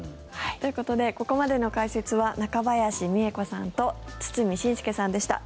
ということでここまでの解説は中林美恵子さんと堤伸輔さんでした。